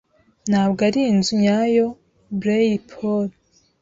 Ntabwo ari inzu nyayoblay_paul